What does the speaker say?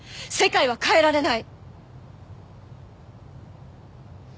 世界は変えられない。